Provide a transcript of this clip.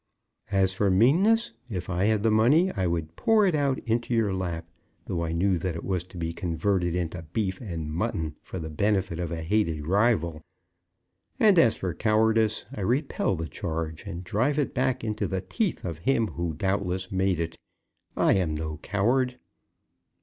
"As for meanness, if I had the money, I would pour it out into your lap, though I knew that it was to be converted into beef and mutton for the benefit of a hated rival. And as for cowardice, I repel the charge, and drive it back into the teeth of him who, doubtless, made it. I am no coward."